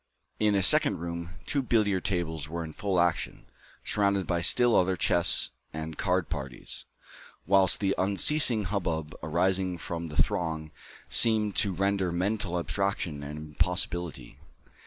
In a second room, two billiard tables were in full action, surrounded by still other chess and card parties, whilst the unceasing hubbub arising from the throng seemed to render mental abstraction an impossibility.